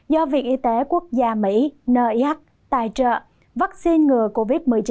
do viện y tế quốc gia mỹ nat tài trợ vaccine ngừa covid một mươi chín